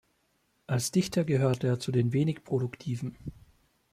Als Dichter gehörte er zu den wenig produktiven.